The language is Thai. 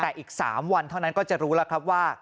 แต่อีก๓วันเท่านั้นก็จะรู้แล้วครับว่า